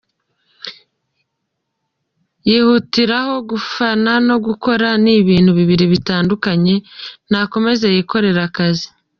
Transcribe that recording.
yihutiraho gufana no gukora ni ibintu bibiri bitandukanye ,nakomeze yikorere akazi.